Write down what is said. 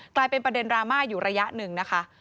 กลายเป็นประเด็นดราม่าอยู่ระยะหนึ่งนะคะ